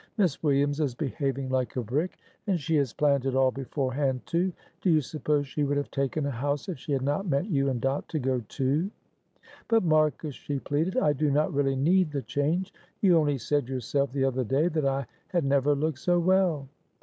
Miss Williams is behaving like a brick, and she had planned it all beforehand, too. Do you suppose she would have taken a house, if she had not meant you and Dot to go too?" "But, Marcus," she pleaded, "I do not really need the change; you only said yourself the other day that I had never looked so well."